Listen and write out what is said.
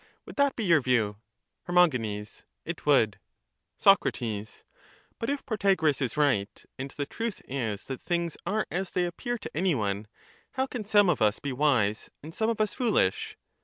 Would that be your view? Her. It would. Soc. But if Protagoras is right, and the truth is that things are as they appear to any one, how can some of us be wise and some of us foohsh?